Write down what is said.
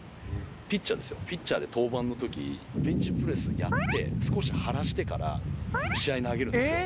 ピッチャーですよ、ピッチャーで登板のとき、ベンチプレスやって、少し張らしてから、試合、投げるんですよ。